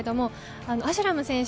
アシュラム選手